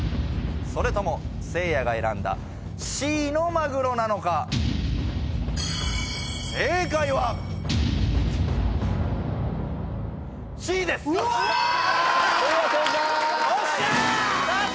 それともせいやが選んだＣのマグロなのか正解はうわ！